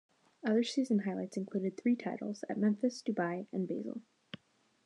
Other season highlights included three titles, at Memphis, Dubai and Basel.